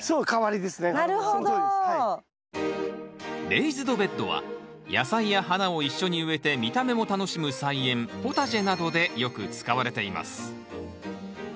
レイズドベッドは野菜や花を一緒に植えて見た目も楽しむ菜園ポタジェなどでよく使われています。